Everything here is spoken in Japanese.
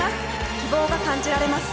希望が感じられます！